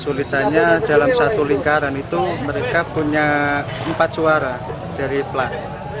sulitannya dalam satu lingkaran itu mereka punya empat suara dari plat